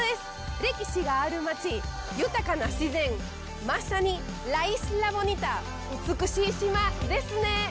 歴史がある街、豊かな自然、まさに、ラ・イスラ・ボニータ、美しい島ですね。